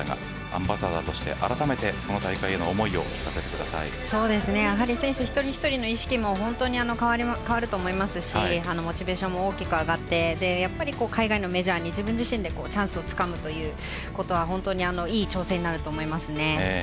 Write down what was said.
アンバサダーとしてあらためて選手一人一人の意識も本当に変わると思いますしモチベーションも大きく上がって海外のメジャーに自分自身でチャンスをつかむということはいい挑戦になると思いますね。